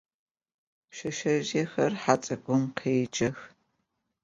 Pşseşsezjıêr he ts'ık'um khêcağ.